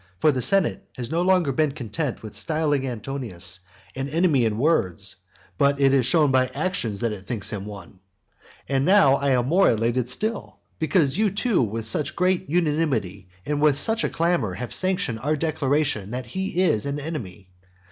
For the senate has no longer been content with styling Antonius an enemy in words, but it has shown by actions that it thinks him one. And now I am much more elated still, because you too with such great unanimity and with such a clamour have sanctioned our declaration that he is an enemy.